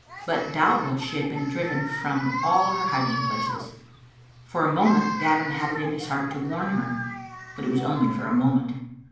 But doubtless she had been driven from all her hiding places. For a moment Gavin had it in his heart to warn her. But it was only for a moment.